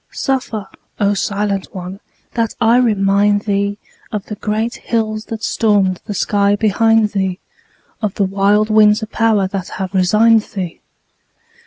Suffer, O silent one, that I remind thee Of the great hills that stormed the sky behind thee, Of the wild winds of power that have resigned thee.